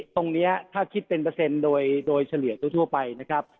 ตรงนี้ถ้าคิดเป็นเปอร์เซ็นต์โดยเฉลี่ยทั่วไปนะครับ